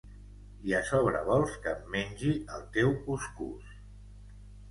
I a sobre vols que em mengi el teu cuscús.